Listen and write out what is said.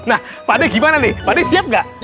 nah pade gimana nih pade siap gak